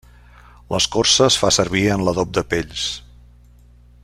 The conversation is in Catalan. L'escorça es fa servir en l'adob de pells.